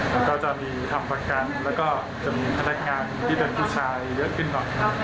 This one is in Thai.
มันก็จะมีทำประกันแล้วก็จะมีพนักงานที่เป็นผู้ชายเยอะขึ้นหน่อย